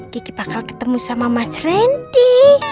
kiki bakal ketemu sama mas randy